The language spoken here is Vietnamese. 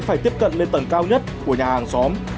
phải tiếp cận lên tầng cao nhất của nhà hàng xóm